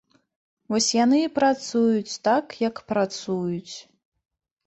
Вось яны і працуюць так, як працуюць.